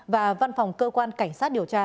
và văn phòng cơ quan cảnh sát điều tra